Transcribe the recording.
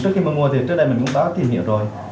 trước khi mình mua thì trước đây mình cũng đã tìm hiểu rồi